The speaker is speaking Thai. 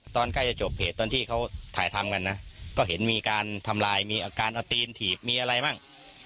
ใกล้จะจบเพจตอนที่เขาถ่ายทำกันนะก็เห็นมีการทำลายมีอาการเอาตีนถีบมีอะไรมั่ง